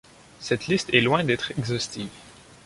Cette liste est loin d'être exhaustive.